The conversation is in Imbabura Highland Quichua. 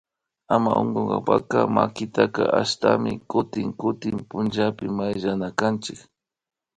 Ama unkunkapacka makita ashtami kutin kutin pullapika mayllanakanchik